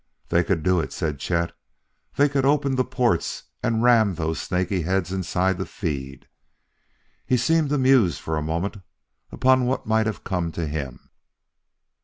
"They could do it," said Chet. "They could open the ports and ram those snaky heads inside to feed." He seemed to muse for a moment upon what might have come to him.